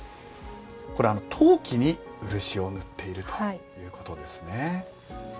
これ陶器に漆を塗っているということですね。